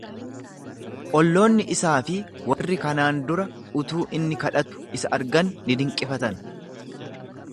Olloonni isaa fi warri kanaan dura utuu inni kadhatu isa argan ni dinqifatan.